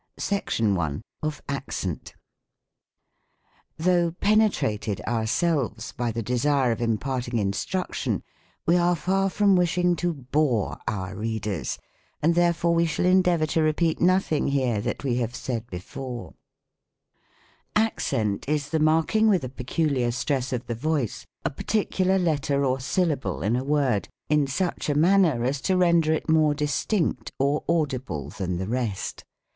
SECTION I. OF ACCENT. Tkovgb. penetrated ourselves by the desire of impart ing instruction, we are far from wishing to bore our readers ; and therefore we shall endeavor to repeat nothing here that we have said before. 104 THE COMIC ENGLISH GRABIMAR. Accent is the marking with a peculiar stress of the voice a particular letter or syllable in a word, in such a manner as to render it more distinct or audible than the rest.